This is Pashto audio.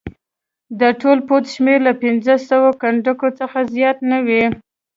د ټول پوځ شمېر له پنځه لسو کنډکو څخه زیات نه وي.